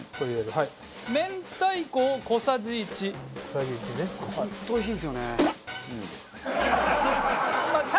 はい。